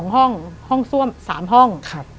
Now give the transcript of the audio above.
๒ห้องห้องซ่วม๓ห้อง